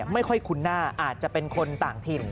ไม่ค่อยคุ้นหน้าอาจจะเป็นคนต่างถิ่น